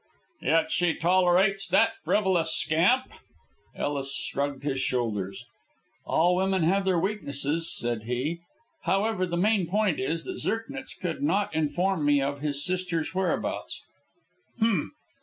"Yet she tolerates that frivolous scamp?" Ellis shrugged his shoulders. "All women have their weaknesses," said he. "However, the main point is, that Zirknitz could not inform me of his sisters' whereabouts."